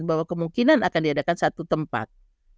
bahwa kemungkinan akan diadakan satu tempat